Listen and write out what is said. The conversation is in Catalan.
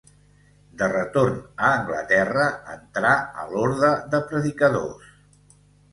De retorn a Anglaterra, entrà a l'Orde de Predicadors.